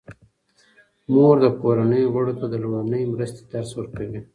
مور د کورنۍ غړو ته د لومړنۍ مرستې درس ورکوي.